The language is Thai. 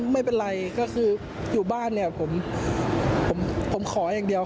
ไม่เป็นไรก็คืออยู่บ้านเนี่ยผมขออย่างเดียว